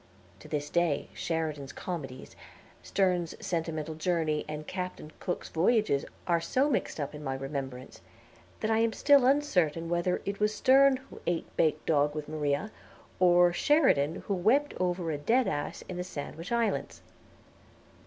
To this day Sheridan's Comedies, Sterne's Sentimental Journey, and Captain Cook's Voyages are so mixed up in my remembrance that I am still uncertain whether it was Sterne who ate baked dog with Maria, or Sheridan who wept over a dead ass in the Sandwich Islands.